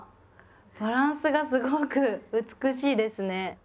バランスがすごく美しいですね。